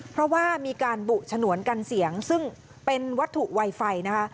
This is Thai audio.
เพราะว่ามีการบุฉนวนกันเสียงซึ่งเป็นวัตถุไวไฟนะคะ